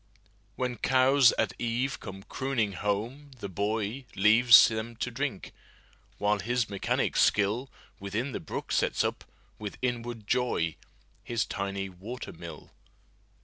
When cows at eve come crooning home, the boyLeaves them to drink, while his mechanic skillWithin the brook sets up, with inward joy, His tiny water mill.